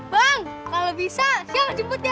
bang kalau bisa siapa jemput ya